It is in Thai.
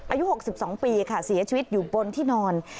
อายุ๖๒ปีค่ะเสียชีวิตอยู่บนที่นอน